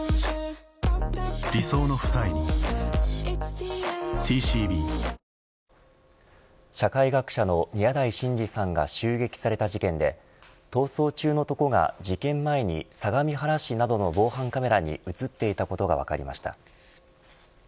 ピンポーン社会学者の宮台真司さんが襲撃された事件で逃走中の男が、事件前に相模原市などの防犯カメラに映っていたことが分かりました。